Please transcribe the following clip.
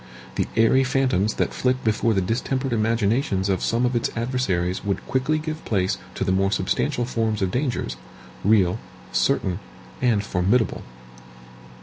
The airy phantoms that flit before the distempered imaginations of some of its adversaries would quickly give place to the more substantial forms of dangers, real, certain, and formidable.